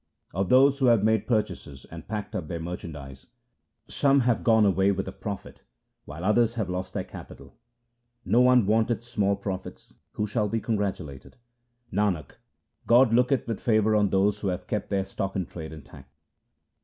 1 Of those who have made purchases and packed up their merchandise, Some have gone away with a profit 2 while others have lost their capital. No one wanteth small profits ; who shall be congratulated? Nanak, God looketh with favour on those who have kept their stock in trade intact.